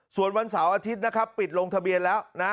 ส่วนวันเสาร์อาทิตย์นะครับปิดลงทะเบียนแล้วนะ